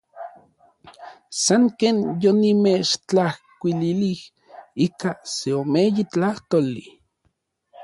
San ken yonimechtlajkuililij ikan seomeyi tlajtoli.